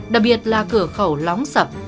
đặc biệt là cửa khẩu lóng sập